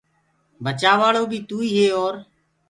بچآوآݪو بي توئيٚ هي اور